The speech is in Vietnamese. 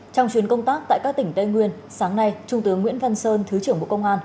trong chuyến công tác tại các tỉnh tây nguyên sáng nay trung tướng nguyễn văn sơn thứ trưởng bộ công an